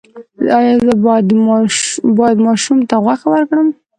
ایا زه باید ماشوم ته غوښه ورکړم؟